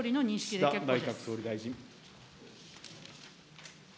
岸田内閣総理大臣。